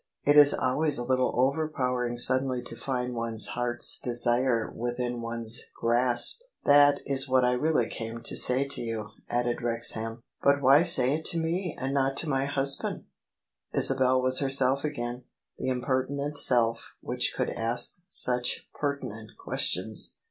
It is always a little overpowering suddenly to find one's heart's desire within one's grasp. "That is what I really came to say to 3^u," added Wrexham. [ 27a ]| THE SUBJECTION " But why say it to me and not to my husband? " Isabel was herself again — ^that impertinent self which could ask such pertinent questions.